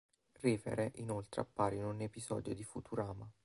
Revere inoltre appare in un episodio di "Futurama".